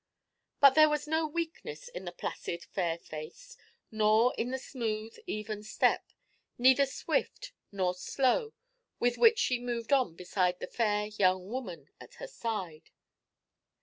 But there was no weakness in the placid, fair face, nor in the smooth, even step, neither swift nor slow, with which she moved on beside the fair young woman at her side.